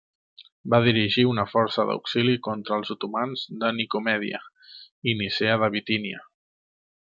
Va dirigir una força d'auxili contra els otomans de Nicomèdia i Nicea de Bitínia.